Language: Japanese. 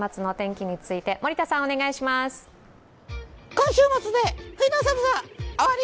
今週末で冬の寒さ終わり！